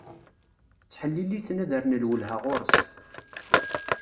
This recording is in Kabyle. Tettḥelil-iten ad rren lwelha ɣur-s.